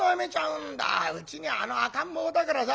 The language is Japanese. うちにはあの赤ん坊だからさ。